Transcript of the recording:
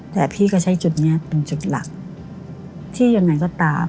แต่พี่ก็ใช้จุดนี้เป็นจุดหลักที่ยังไงก็ตาม